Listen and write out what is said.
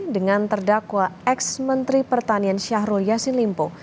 dengan terdakwa ex menteri pertanian syahrul yassin limpo